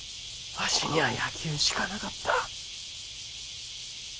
わしにゃあ野球しかなかった。